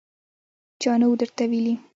_چا نه و درته ويلي!